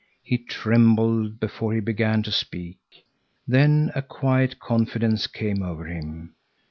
He trembled before he began to speak. Then a quiet confidence came over him.